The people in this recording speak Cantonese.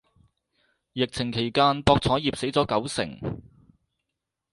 疫情期間博彩業死咗九成